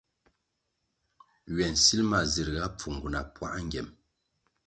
Ywe nsil ma zirga pfungu na puā ngyem.